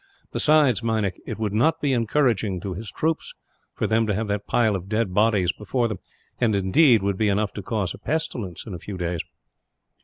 Besides, Meinik, it would not be encouraging to his troops for them to have that pile of dead bodies before them and, indeed, would be enough to cause a pestilence, in a few days."